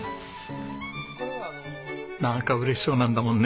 なんか嬉しそうなんだもんね。